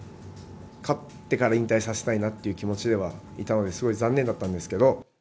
勝ってから引退させたいなっていう気持ちではいたので、すごい残念だったんですけど。